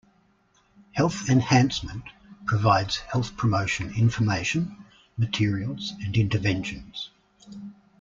Health Enhancement provides health promotion information, materials and interventions.